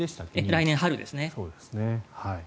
来年春ですね。